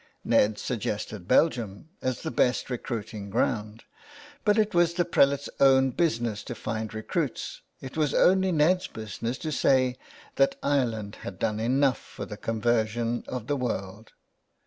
Ned suggested Belgium as the best recruiting ground. But it was the prelate's own business to find recruits, it was only Ned's business to say that Ireland had done enough for the conversion of the 177 THE WILD GOOSE. world.